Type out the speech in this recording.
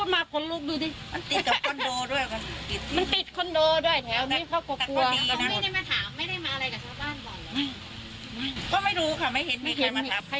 ก็ไม่รู้ค่ะไม่เห็นไม่มีใครมาทำ